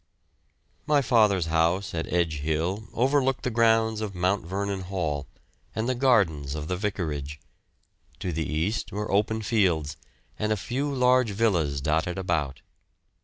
My father's house at Edge Hill overlooked the grounds of Mount Vernon Hall and the gardens of the vicarage; to the east were open fields, with a few large villas dotted about.